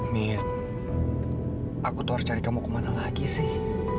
miet aku tuh harus cari kamu ke mana lagi sih